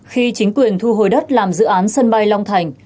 khi chính quyền thu hồi đất làm dự án sân bay long thành